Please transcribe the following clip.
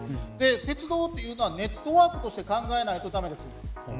鉄道というのはネットワークとして考えないと駄目です。